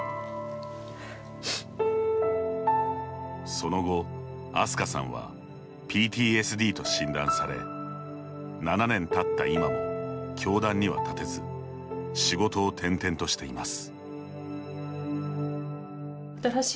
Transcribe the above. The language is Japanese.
その後、あすかさんはＰＴＳＤと診断され７年経った今も、教壇には立てず仕事を転々としています。